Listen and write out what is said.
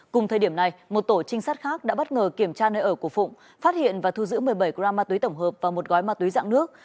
cùng thời điểm này một tổ trinh sát khác đã bất ngờ kiểm tra nơi ở của phụng phát hiện và thu giữ một mươi bảy gram ma túy tổng hợp và một gói ma túy dạng nước